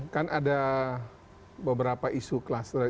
kan ada beberapa isu kluster